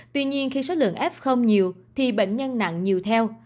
tuy nhiên khi số lượng f không nhiều thì bệnh nhân nặng nhiều theo